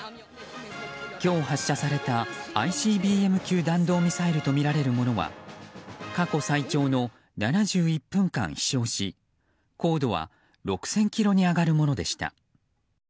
今日発射された、ＩＣＢＭ級弾道ミサイルとみられるものは過去最長の７１分間、飛翔し高度は６０００ｋｍに上がるものでした。